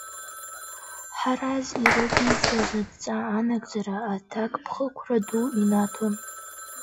Ҳараз ирыдиҵаз адҵа анагӡара аҭакԥхықәра ду инаҭон.